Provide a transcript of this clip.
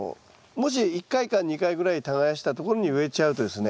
もし１回か２回ぐらい耕したところに植えちゃうとですね